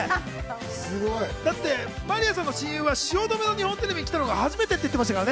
だってまりやさんの親友が汐留の日本テレビに来たのが初めてって言ってましたからね。